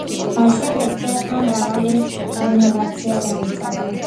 მას შემდეგ თეატრმა მრავალი რენოვაცია განიცადა.